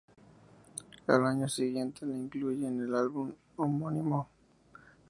Al año siguiente la incluye en el álbum homónimo.